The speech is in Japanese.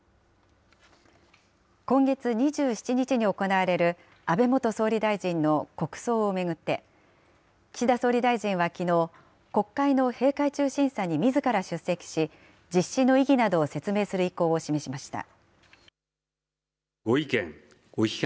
今月２７日に行われる、安倍元総理大臣の国葬を巡って、岸田総理大臣はきのう、国会の閉会中審査にみずから出席し、実施の意義などを説明する意向を示しました。